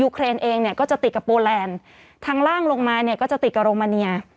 ก็ติดกับโปแลนซ์ทางล่างลงมาก็จะติดกับโรมาเนีย